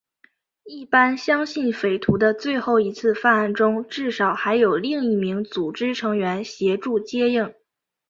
一般相信匪徒的最后一次犯案中至少还有另一名组织成员协助接应。